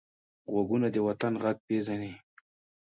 غوږونه د وطن غږ پېژني